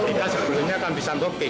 ketika sebelumnya kan bisa nukih